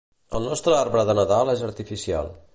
El nostre arbre de Nadal és artificial.